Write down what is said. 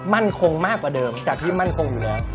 มั่นคงมากกว่าเดิมจากที่มั่นคงอยู่แล้ว